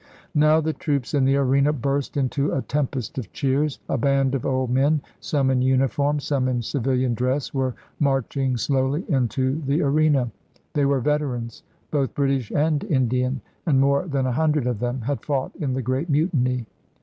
Now the troops in the arena burst into a tempest of cheers. A band of old men, some in uniform, some in civilian dress, were marching slowly into the arena. They were veterans, both British and Indian, and more than a hundred of them had fought in the Great Mutiny.